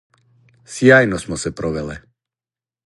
Сјајно смо се провеле.